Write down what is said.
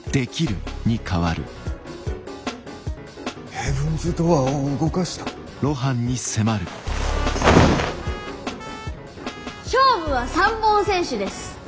ヘブンズ・ドアーを動かした⁉勝負は３本先取です。